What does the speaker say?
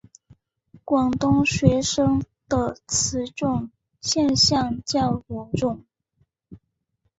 广东学生的此种现象较严重。